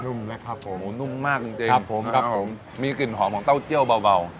ุ่มนะครับผมนุ่มมากจริงจริงครับผมครับผมมีกลิ่นหอมของเต้าเจี่ยวเบา